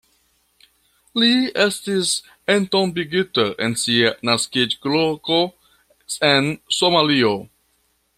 Li estis entombigita en sia naskiĝloko en Somalio.